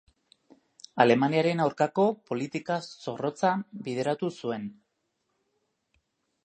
Alemaniaren aurkako politika zorrotza bideratu zuen.